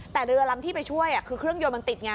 แต่เรือลำที่ไปช่วยคือเครื่องยนต์มันติดไง